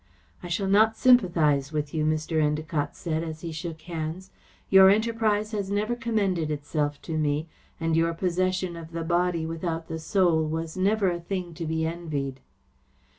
"I shall not sympathise with you," Mr. Endacott said, as he shook hands. "Your enterprise has never commended itself to me, and your possession of the Body without the Soul was never a thing to be envied."